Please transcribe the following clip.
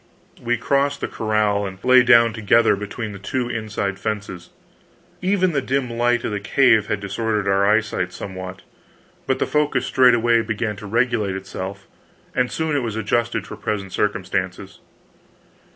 We crossed the corral and lay down together between the two inside fences. Even the dim light of the cave had disordered our eyesight somewhat, but the focus straightway began to regulate itself and soon it was adjusted for present circumstances.